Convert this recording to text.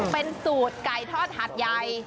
เป็นสูตรไก่ทอดหัดใหญ่